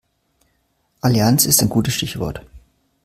Allianz ist ein gutes Stichwort.